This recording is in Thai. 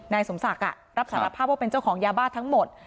นายสมศักดิ์รับสารภาพว่าเป็นเจ้าของยาบ้าทั้งหมด